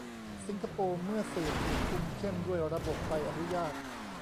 สิงคโปร์ เมื่อสื่อถูกคุมเข้มด้วยระบบใบอนุญาต